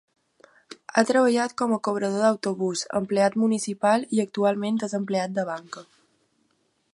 Ha treballat com a cobrador d'autobús, empleat municipal i actualment és empleat de banca.